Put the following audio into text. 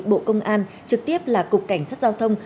bộ công an trực tiếp là cục cảnh sát giao thông